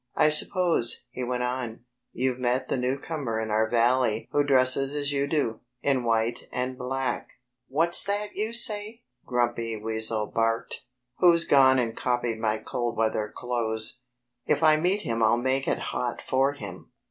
"I suppose," he went on, "you've met the newcomer in our valley who dresses as you do, in white and black?" "What's that you say?" Grumpy Weasel barked. "Who's gone and copied my cold weather clothes? If I meet him I'll make it hot for him."